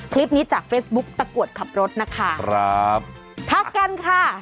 คลิปนี้จากเฟซบุ๊คตะกรวดขับรถนะคะครับทักกันค่ะ